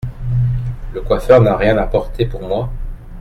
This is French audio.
Le coiffeur n’a rien apporté pour moi ?